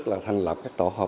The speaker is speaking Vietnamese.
hoặc thành lập các tổ hợp tác